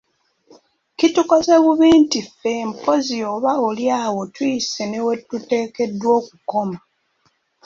Kitukoze bubi nti ffe mpozzi oba oli awo tuyise newetuteekwa okukoma.